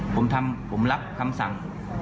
ผมทำผมรับคำสั่ง